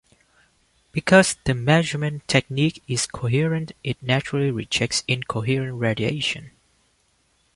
Because the measurement technique is coherent, it naturally rejects incoherent radiation.